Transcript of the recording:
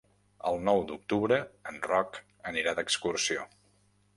El nou d'octubre en Roc anirà d'excursió.